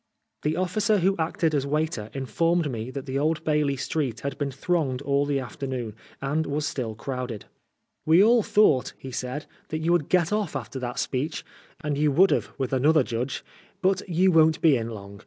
The officer who acted as waiter informed me that the Old Bailey Street had been thronged all the afternoon, and was still crowded. "We all thought," he said, " that you would get off after that speech — and you would have with another judge. But you won't be in long.